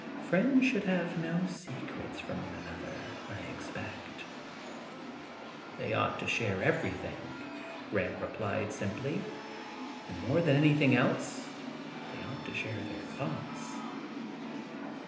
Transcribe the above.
' Friends should have no secrets from each other, I expect ?' *They ought to share everything,' Graham replied simply; 'and more than anything else they ought to share their thoughts.'